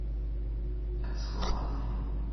蕭邦嘅幻想即興曲真係好鬼難彈